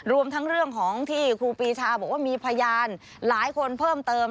รวมทั้งเรื่องของที่ครูปีชาบอกว่ามีพยานหลายคนเพิ่มเติม